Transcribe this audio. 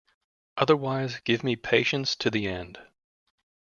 Otherwise give me patience to the end.